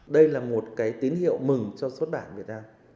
đây là một cái tín hiệu mừng cho xuất bản việt nam